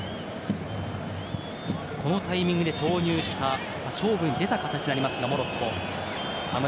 このタイミングで投入した勝負に出た形のモロッコ。